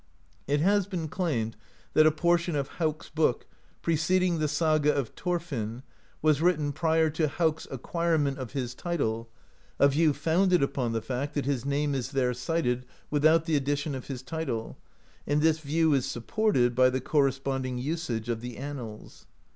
It has been claimed that a portion of Hauk's.book, preceding the Saga of Thorfinn, was writ ten prior to Hauk's acquirement of his title, a view founded upon the fact that his name is there cited with out the addition of his title, and this view is supported by the corresponding usage of the Annals.